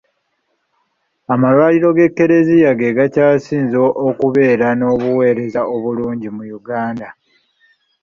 Amalwaliro g’Eklezia ge gakyasinze okubeera n’obuweereza obulungi mu Uganda.